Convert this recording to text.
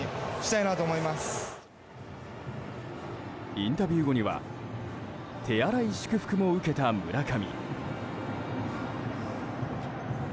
インタビュー後には手荒い祝福も受けた村上。